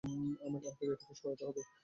আমাদের এটাকে সরাতে হবে।